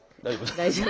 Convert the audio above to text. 大丈夫？